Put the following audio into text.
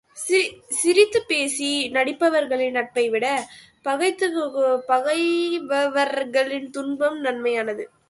சிரித்துப் பேசி நடிப்பவர்களின் நட்பை விட பகைவர்களது துன்பம் நன்மையானது